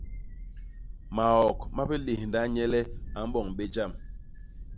Maok ma biléndha nye le a boñ bé jam.